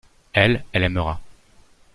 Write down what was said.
Elle, elle aimera.